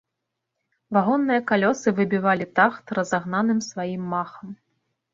Вагонныя калёсы выбівалі тахт разагнаным сваім махам.